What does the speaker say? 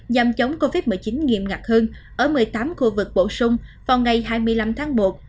nhằm chống covid một mươi chín nghiêm ngặt hơn ở một mươi tám khu vực bổ sung vào ngày hai mươi năm tháng một